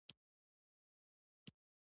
مایکروبیولوژیکي تجزیه او تحلیل یو ضروري کار دی.